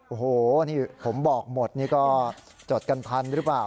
โอ้โหนี่ผมบอกหมดนี่ก็จดกันทันหรือเปล่า